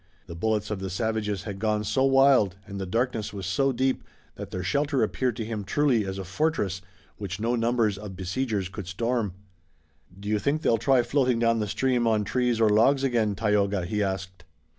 The bullets of the savages had gone so wild and the darkness was so deep that their shelter appeared to him truly as a fortress which no numbers of besiegers could storm. "Do you think they'll try floating down the stream on trees or logs again, Tayoga?" he asked.